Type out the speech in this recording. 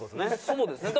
そうですね。